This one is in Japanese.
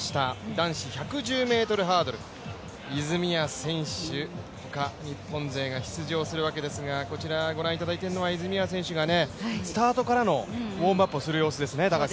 男子１１０ｍハードル、泉谷選手、ほか日本勢が出場するわけですがこちら、ご覧いただいているのは泉谷選手がスタートからのウォームアップをする様子ですね。